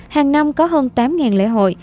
hàng năm có hơn tám ngàn lễ hội